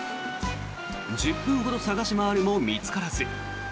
１０分ほど捜し回るも見つからず。